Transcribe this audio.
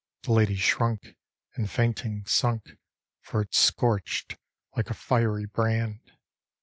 The lady shrunk, and fainting sunk, For it scorched like a fiery brand.